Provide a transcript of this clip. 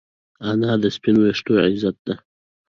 انا د سپین ویښتو عزت ده